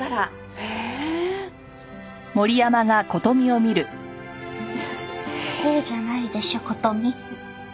「へえ」じゃないでしょ